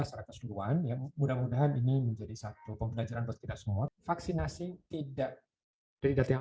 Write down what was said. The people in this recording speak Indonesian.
seratus duluan yang mudah mudahan ini menjadi satu pembelajaran kita semua vaksinasi tidak tidak yang